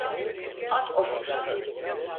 At o silahı!